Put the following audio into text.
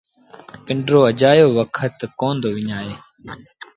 پنڊرو اَجآيو وکت ڪونا دو وڃآئي